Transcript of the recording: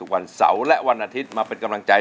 วันเสาร์และวันอาทิตย์มาเป็นกำลังใจ